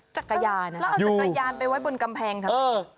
จักรยานนะครับเล่าจักรยานไปไว้บนกำแพงทำไม